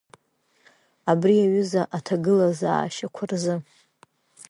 Абри аҩыза аҭагылазаашьақәа рзы…